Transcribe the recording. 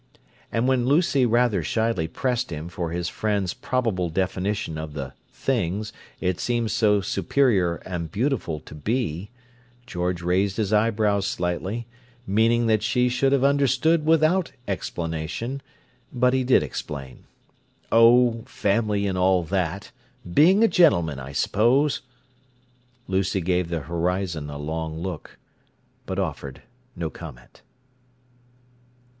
And when Lucy rather shyly pressed him for his friend's probable definition of the "things" it seemed so superior and beautiful to be, George raised his eyebrows slightly, meaning that she should have understood without explanation; but he did explain: "Oh, family and all that—being a gentleman, I suppose." Lucy gave the horizon a long look, but offered no comment.